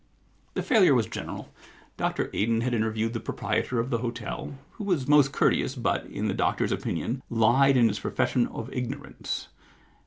The failure was general. Dr Alden had interviewed the proprietor of the hotel, who was most courteous, but, in the doctor's opinion, lied in his profession of ignorance.